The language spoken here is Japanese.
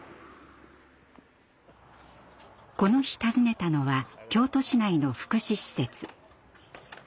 この日訪ねたのは京都市内の福祉施設。